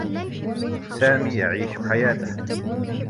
سامي يعيش حياته.